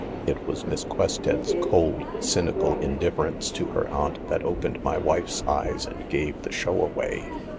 It was Miss Quested 's cold, cynical indifference to her aunt that opened my wife's eyes and gave the show away."